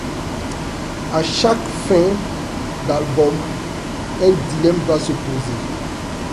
À chaque fin d’album, un dilemme va se poser.